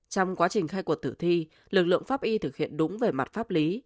trong quá trình khai quật tử thi lực lượng pháp y thực hiện đúng về mặt pháp lý